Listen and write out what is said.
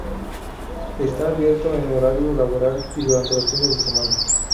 Está abierto en horario laboral y durante los fines de semana.